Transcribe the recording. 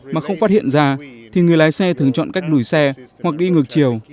mà không phát hiện ra thì người lái xe thường chọn cách lùi xe hoặc đi ngược chiều